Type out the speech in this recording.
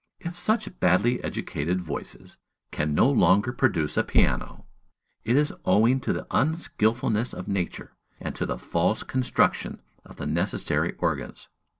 If such badly educated voices can no longer produce a piano, it is owing to the unskilfulness of nature, and to the false construction of the necessary organs!